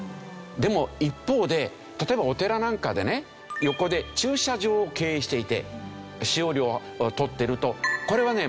でも一方で例えばお寺なんかでね横で駐車場を経営していて使用料を取ってるとこれはね